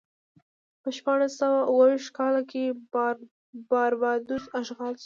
په شپاړس سوه اوه ویشت کال کې باربادوس اشغال شو.